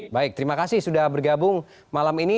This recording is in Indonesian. baik terima kasih sudah bergabung malam ini